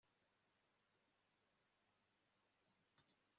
kubwamahirwe, kurumwa nigiti nticyigeze gikubita imiyoboro minini